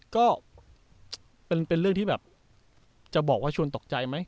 ก็เป็นเรื่องที่แบบจะบอกว่าชวนตกใจไหม